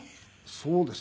そうですね。